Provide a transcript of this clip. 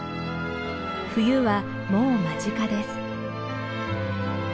冬はもう間近です。